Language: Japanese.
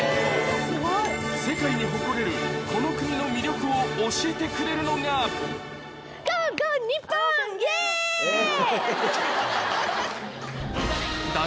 世界に誇れるこの国の魅力を教えてくれるのがイエイ！